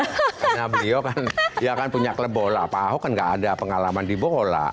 karena beliau kan ya kan punya klub bola pak ahok kan gak ada pengalaman di bola